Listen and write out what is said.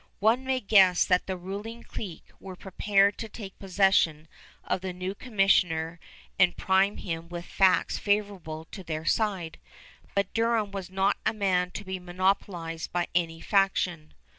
One may guess that the ruling clique were prepared to take possession of the new commissioner and prime him with facts favorable to their side; but Durham was not a man to be monopolized by any faction.